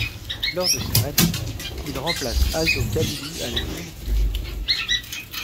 Lors de ce match, il remplace Aldo Kalulu à la minute de jeu.